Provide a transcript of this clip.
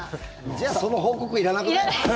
じゃあその報告いらなくない？